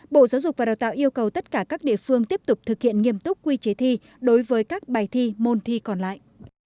bộ giáo dục và đào tạo yêu cầu tất cả các địa phương tiếp tục thực hiện nghiêm túc quy chế thi đối với các bài thi môn thi còn lại